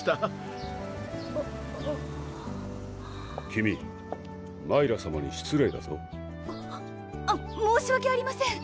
君マイラさまに失礼だぞ申しわけありません